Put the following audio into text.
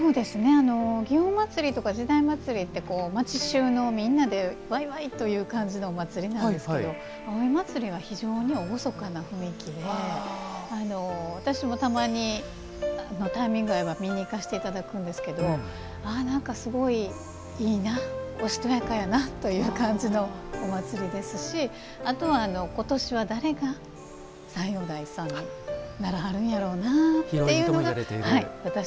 祇園祭とか時代祭って町衆のみんなでわいわいという感じのお祭りなんですけど葵祭は非常に厳かな雰囲気で私もたまにタイミングが合えば見に行かしていただくんですけどなんか、すごいいいなおしとやかやなという感じのお祭りですしあとは、今年は誰が斎王代さんにならはるんやろうなあという。